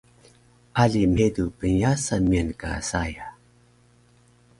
Ali mhedu pnyasan miyan ka saya